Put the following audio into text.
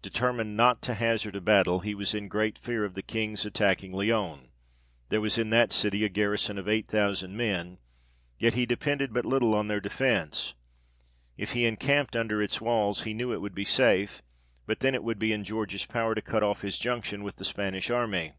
Determined not to hazard a battle, he was in great fear of the King's attacking Lyons : there was in that city a garrison of eight thousand men, yet he depended but little on their defence. If he encamped under its walls, he knew it would be safe, but then it would be in George's power to cut off his junction with the Spanish army.